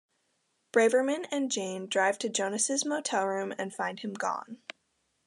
Braverman and Jane drive to Jonas' motel room and find him gone.